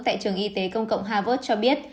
tại trường y tế công cộng harvard cho biết